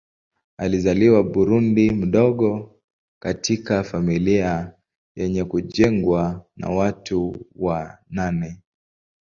Alizaliwa Burundi mdogo katika familia yenye kujengwa na watu wa nane.